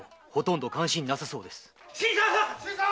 ・新さん！